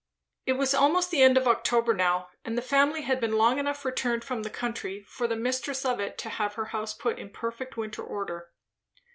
It was almost the end of October now, and the family had been long enough returned from the country for the mistress of it to have her house put in perfect winter order.